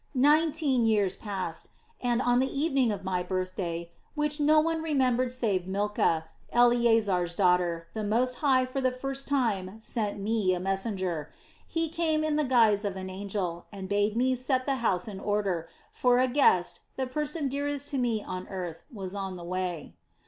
"Nineteen years passed and, on the evening of my birthday, which no one remembered save Milcah, Eleasar's daughter, the Most High for the first time sent me a messenger. He came in the guise of an angel, and bade me set the house in order; for a guest, the person dearest to me on earth, was on the way.